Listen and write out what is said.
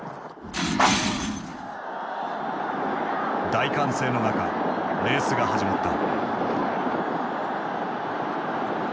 大歓声の中レースが始まった。